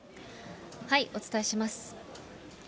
お伝えします。